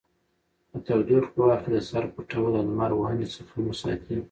د تودوخې په وخت کې د سر پټول له لمر وهنې څخه مو ساتي.